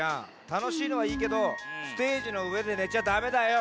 たのしいのはいいけどステージのうえでねちゃダメだよ。